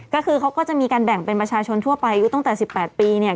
ก็คือเขาก็จะมีการแบ่งเป็นประชาชนทั่วไปอายุตั้งแต่๑๘ปีเนี่ย